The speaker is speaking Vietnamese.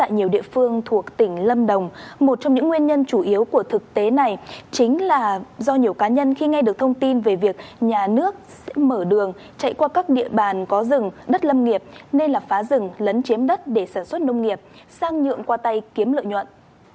nhiều địa phương thuộc tỉnh lâm đồng một trong những nguyên nhân chủ yếu của thực tế này chính là do nhiều cá nhân khi nghe được thông tin về việc nhà nước sẽ mở đường chạy qua các địa bàn có rừng đất lâm nghiệp nên là phá rừng lấn chiếm đất để sản xuất nông nghiệp sang nhượng qua tay kiếm lợi nhuận